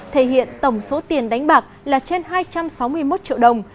thể hiện tổng số tiền đánh bạc là trên hai trăm sáu mươi một triệu đồng